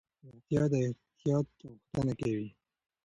روغتیا د احتیاط غوښتنه کوي.